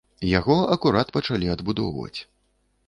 Яго акурат пачалі адбудоўваць.